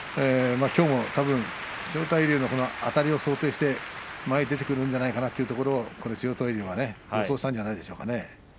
きょうもたぶん千代大龍のあたりを想定して前に出てくるんじゃないかなというところを千代大龍は予想したんじゃないでしょうかね。